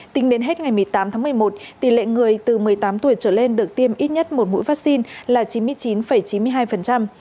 tính đến hết ngày một mươi tám tháng một mươi một tỷ lệ người từ một mươi tám tuổi trở lên được tiêm ít nhất một mũi vaccine là chín mươi chín chín mươi hai